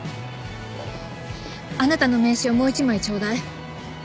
あなたの名刺をもう一枚ちょうだい。